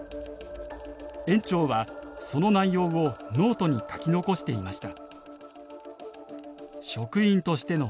園長はその内容をノートに書き残していました。